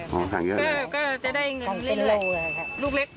ก็จะได้เงินเรื่อยลูกเล็ก๘๐